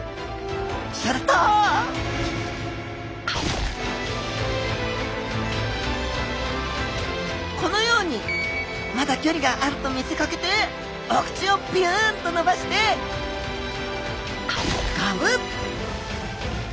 するとこのようにまだ距離があると見せかけてお口をビュンと伸ばしてガブッ！